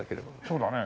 そうだね。